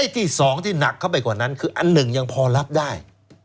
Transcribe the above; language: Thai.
ที่๒ที่หนักเข้าไปกว่านั้นคืออันหนึ่งยังพอรับได้